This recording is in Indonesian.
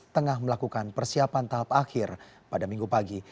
tengah melakukan persiapan tahap akhir pada minggu pagi